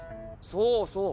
そうそう。